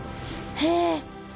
へえ！